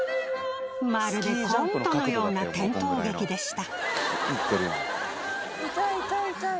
まるでコントのような転倒劇でした。